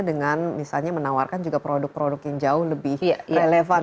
dengan misalnya menawarkan juga produk produk yang jauh lebih relevan